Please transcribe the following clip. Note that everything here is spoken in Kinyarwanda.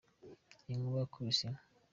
inkuba yakubise inka